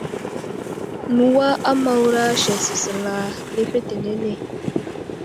Newa a Mawra sek səsəla lefetenene.